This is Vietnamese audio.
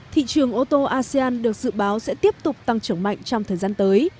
thị trường ô tô asean được dự báo sẽ tiếp tục tăng trưởng mạnh trong thời gian tới